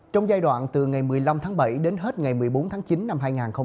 trong giai đoạn từ ngày một mươi năm tháng bảy đến hết ngày một mươi bốn tháng chín năm hai nghìn hai mươi